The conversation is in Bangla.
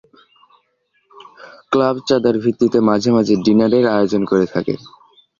ক্লাব চাঁদার ভিত্তিতে মাঝে মাঝে ডিনারের আয়োজন করে থাকে।